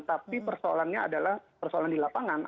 tapi persoalannya adalah persoalan di lapangan